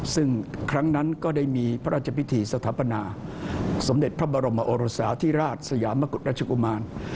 ซึ่งครั้งนั้นก็ได้มีพระราชพิธีสถาปนาสมเด็จพระบรมโอรสาธิราชสยามกุฎราชกุมาร